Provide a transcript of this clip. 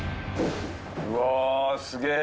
うわすげえ。